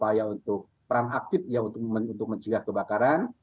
sedianya turut serta dalam upaya untuk peran aktif ya untuk mencegah kebakaran